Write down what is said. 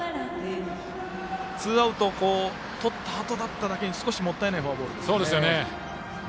ツーアウトをとったあとだっただけに少しもったいないフォアボールですね。